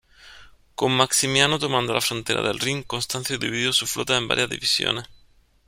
Con Maximiano tomando la frontera del Rin, Constancio dividió su flota en varias divisiones.